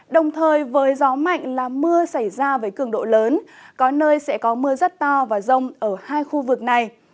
đồng thời với gió mạnh là mưa xảy ra với cường độ lớn có nơi sẽ có mưa rất to và rông ở hai khu vực này